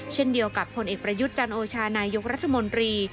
เช่นเดียวกับผลเอกประยุทธ์จันโอชานายกรัฐมนตรี